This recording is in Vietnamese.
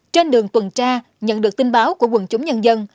trên đường tuần tra nhận được tin báo của quần chúng nhân dân